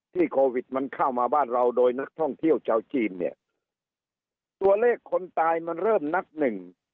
โควิดมันเข้ามาบ้านเราโดยนักท่องเที่ยวชาวจีนเนี่ยตัวเลขคนตายมันเริ่มนับหนึ่ง